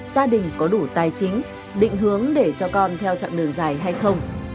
gia đình có đủ tài chính định hướng để cho con theo chặng đường dài hay không